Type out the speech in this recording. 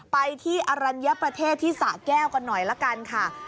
ไปที่อรัญญประเทศที่สะแก้วกันหน่อยละกันค่ะ